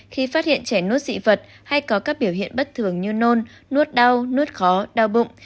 khi phát hiện trẻ nốt dị vật hay có các biểu hiện bất thường như nôn nuốt đau nuốt khó đau bụng